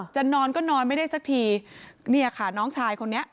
จะนอนก็นอนไม่ได้สักทีเนี่ยค่ะน้องชายคนนี้